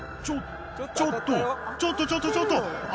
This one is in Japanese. ちょちょっとちょっとちょっとちょっと！